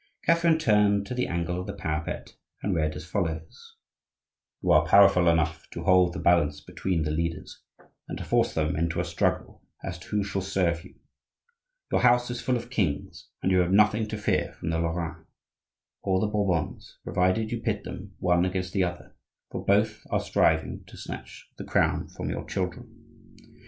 Catherine turned to the angle of the parapet and read as follows:— You are powerful enough to hold the balance between the leaders and to force them into a struggle as to who shall serve you; your house is full of kings, and you have nothing to fear from the Lorrains or the Bourbons provided you pit them one against the other, for both are striving to snatch the crown from your children.